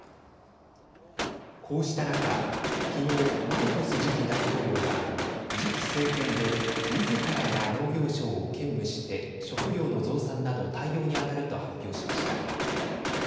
こうした中、きのうマルコス次期大統領が次期政権でみずからが農業相を兼務して食料の増産など対応に当たると発表しました。